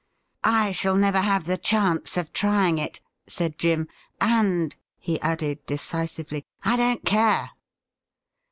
' I shall never have the chance of trying it,' said Jim ;' and,' he added decisively, ' I don't care.'